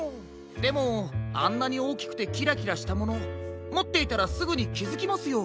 でもあんなにおおきくてキラキラしたものもっていたらすぐにきづきますよ。